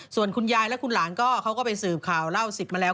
ส่วนคุณยายและคุณหลานก็เขาก็ไปสืบข่าวเล่าสิทธิ์มาแล้ว